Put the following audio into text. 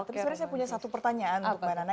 tapi sebenarnya saya punya satu pertanyaan untuk mbak nana